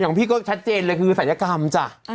ของพี่ก็ชัดเจนเลยคือศัลยกรรมจ้ะ